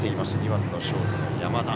２番のショートの山田。